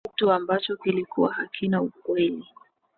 kitu ambacho kilikuwa hakina kweli